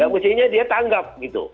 mestinya dia tanggap